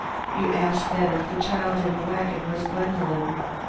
You asked then if the child in the wagon was Gwendolen.